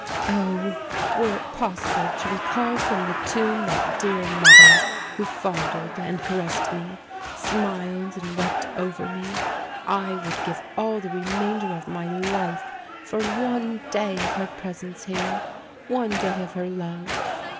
Oh! were it possible to recall from the tomb that dear mother who fondled and caressed me—smiled and wept over me, I would give all the remainder of my life for one day of her presence here—one day of her love!